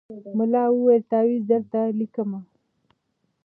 ملا وویل تعویذ درته لیکمه